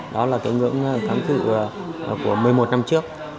đó là ngưỡng kháng cự của một mươi một năm trước